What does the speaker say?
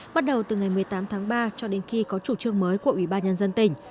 bắt đầu từ ngày một mươi tám tháng ba cho đến khi có chủ trương mới của ubnd tỉnh